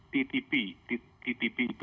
ttp itu teriki talibat